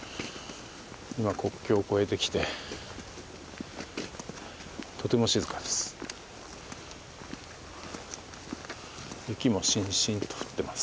今、国境を越えてきてとても静かです。